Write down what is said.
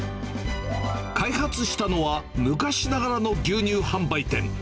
開発したのは、昔ながらの牛乳販売店。